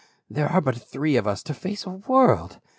There are but three of us to face a world.